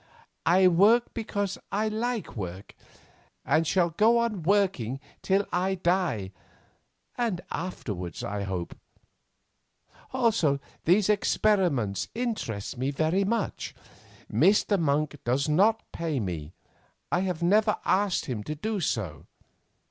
"I work because I like work, and shall go on working till I die, and afterwards I hope; also, these experiments interest me very much. Mr. Monk does not pay me. I have never asked him to do so.